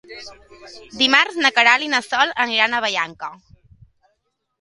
Dimarts na Queralt i na Sol aniran a Vallanca.